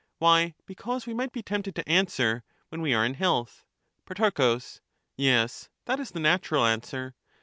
Why, because we might be tempted to answer, ' When we are in health.' Pro, Yes, that is the natural answer.